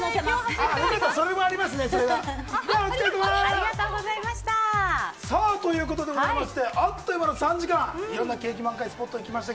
ではお疲れさま。ということでございましてあっという間の３時間いろんな景気満開スポットに行きました。